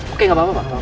oke gak apa apa